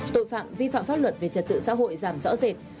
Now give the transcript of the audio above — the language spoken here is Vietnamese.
tội phạm vi phạm pháp luật về trật tự xã hội giảm rõ rệt